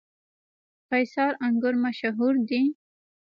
قیصار انګور مشهور دي؟